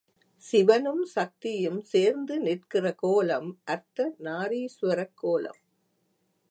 சிவனும் சக்தியும் சேர்ந்து நிற்கிற கோலம் அர்த்த நாரீசுவரக்கோலம்.